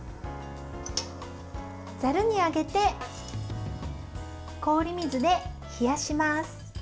ざるにあげて、氷水で冷やします。